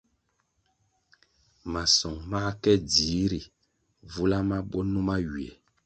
Masong mā ke dzih, ri vula mabwo numa ywiè.